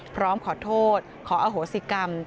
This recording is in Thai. พร้อมขอโทษขออโหสิกรรม